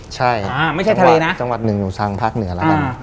ใช่จังหวัดหนึ่งอยู่ทางภาคเหนือแล้วมันใช่ไม่ใช่ทะเลนะ